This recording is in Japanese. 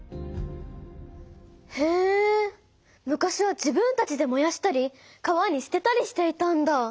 へえ昔は自分たちでもやしたり川にすてたりしていたんだ。